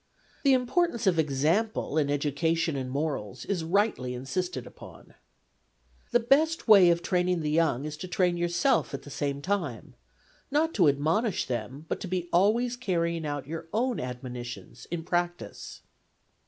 The import ance of example in education and morals is rightly insisted upon : The best way of training the young is to train yourself at the same time : not to admonish them, but to be always carrying out your own admonitions in practice.